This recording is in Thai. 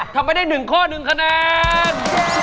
ทำไมได้หนึ่งข้อหนึ่งคะแนน